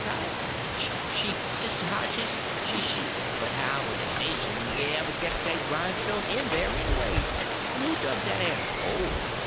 Sh she, Sister Hotchkiss, sh she—" "But how in the nation'd they ever git that grindstone in there, _any_way? 'n' who dug that air _hole?